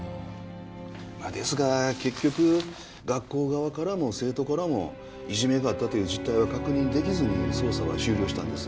まあですが結局学校側からも生徒からもいじめがあったという実態は確認できずに捜査は終了したんです。